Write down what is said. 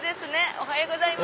おはようございます。